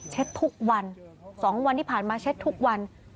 ทุกวัน๒วันที่ผ่านมาเช็ดทุกวัน